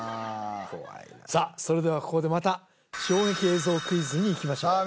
さっそれではここでまた衝撃映像クイズにいきましょうさあ